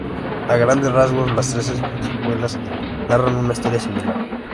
A grandes rasgos, las tres secuelas narran una historia similar.